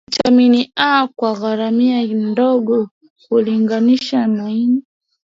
Vitamini A kwa gharama ndogo kulinganisha maini